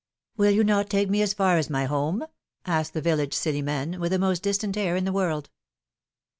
Will you not take me as far as my home?^^ asked the village Celiradne, with the most distant air in the world.